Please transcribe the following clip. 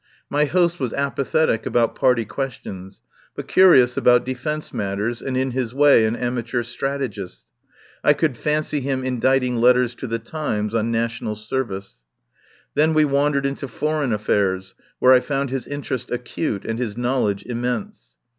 My host was apa thetic about party questions, but curious about defence matters and in his way an amateur strategist. I could fancy him inditing letters to The Times on national service. Then we wandered into foreign affairs, where I found his interest acute, and his knowledge immense.